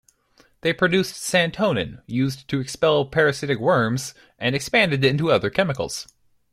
They produced santonin, used to expel parasitic worms, and expanded into other chemicals.